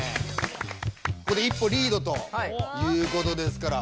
ここで一歩リードということですから。